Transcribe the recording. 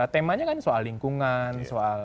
temanya kan soal lingkungan